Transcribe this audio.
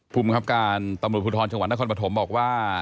ภูมิครับการตำรวจภูทรจังหวัดนครปฐมบอกว่า